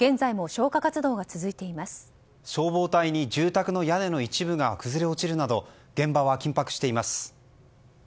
消防隊に住宅の屋根の一部が崩れ落ちるなど現場は緊迫しています。